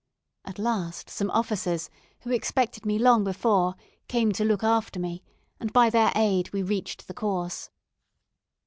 At last, some officers, who expected me long before, came to look after me, and by their aid we reached the course.